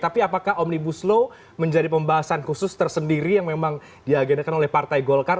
tapi apakah omnibus law menjadi pembahasan khusus tersendiri yang memang diagendakan oleh partai golkar